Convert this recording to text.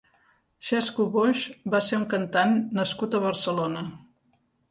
Xesco Boix va ser un cantant nascut a Barcelona.